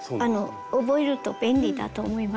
覚えると便利だと思います。